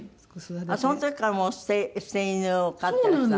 その時からもう捨て犬を飼ってらしたの？